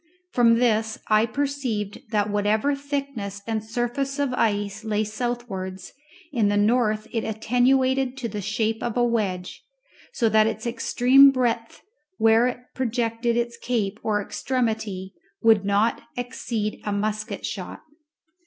From this I perceived that whatever thickness and surface of ice lay southwards, in the north it was attenuated to the shape of a wedge, so that its extreme breadth where it projected its cape or extremity would not exceed a musket shot.